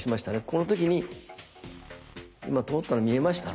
この時に今通ったの見えました？